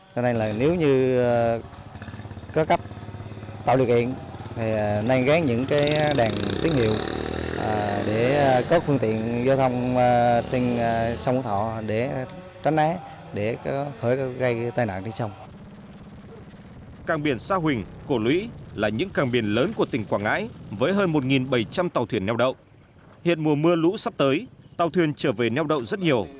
cho nên là nếu như có cấp tàu điều kiện thì nên gán những cái đèn tiết hiệu để cốt phương tiện